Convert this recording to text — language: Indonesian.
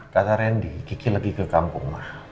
kata randy kiki lagi ke kampung mak